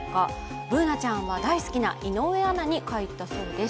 Ｂｏｏｎａちゃんは大好きな井上アナに書いたそうです。